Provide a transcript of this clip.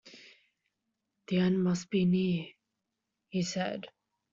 “The end must be near,” he said.